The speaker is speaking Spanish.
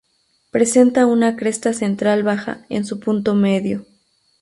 Presenta una cresta central baja en su punto medio.